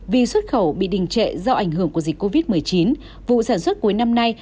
vì xuất khẩu bị đình trệ do ảnh hưởng của dịch covid một mươi chín vụ sản xuất cuối năm nay